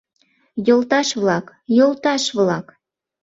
Йолташ-влак, йолташ-влак!..